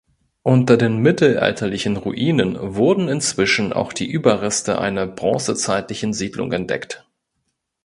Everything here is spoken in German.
Unter den mittelalterlichen Ruinen wurden inzwischen auch die Überreste einer bronzezeitlichen Siedlung entdeckt.